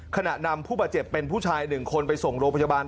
ขณะนำผู้บาดเจ็บเป็นผู้ชาย๑คนไปส่งโรงพยาบาล